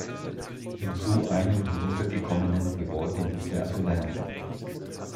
In so einem heruntergekommenen Gebäude müsst ihr also lernen?